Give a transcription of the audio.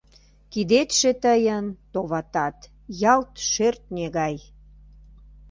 Кидетше тыйын, товатат, ялт шӧртньӧ гай!